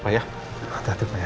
aduh dato' ya